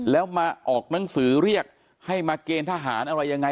แล้วมาออกหนังสือเรียกให้มาเกณฑ์ทหารอะไรยังไง